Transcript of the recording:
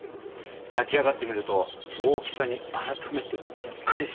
焼き上がってみると大きさに改めてびっくりしました。